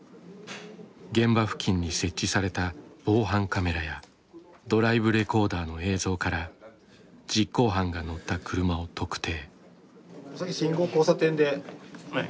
現場付近に設置された防犯カメラやドライブレコーダーの映像から実行犯が乗った車を特定。